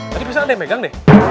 tadi pesan ada yang megang deh